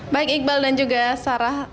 baik iqbal dan juga sarah